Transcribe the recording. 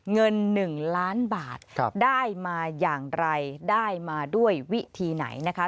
เงิน๑ล้านบาทได้มาอย่างไรได้มาด้วยวิธีไหนนะคะ